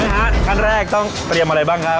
ฮะขั้นแรกต้องเตรียมอะไรบ้างครับ